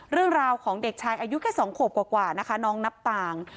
เรื่องราวของเด็กชายอายุแค่๒ขวบกว่านะคะน้องนับต่าง